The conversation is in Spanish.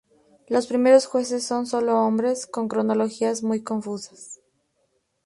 Los primeros jueces son sólo nombres, con cronologías muy confusas.